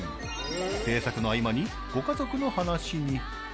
制作の合間にご家族の話に。